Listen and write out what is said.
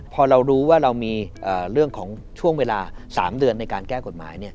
พอเรารู้ว่าเรามีเรื่องของช่วงเวลา๓เดือนในการแก้กฎหมาย